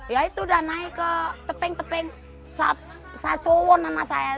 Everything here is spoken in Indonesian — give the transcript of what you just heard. ya itu udah naik ke tepeng tepeng saya sowon anak saya